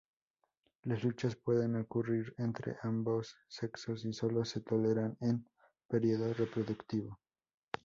Las luchas pueden ocurrir entre ambo sexos y sólo se toleran en periodo reproductivo.